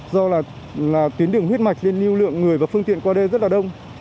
do là tuyến đường huyết mạch nên lưu lượng người và phương tiện qua đây rất là đông